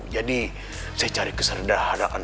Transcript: jadi saya cari keserdaan